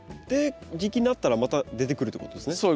で時期になったらまた出てくるということですね。